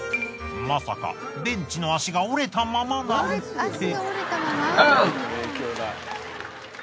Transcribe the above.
まさかベンチの足が折れたままなんて。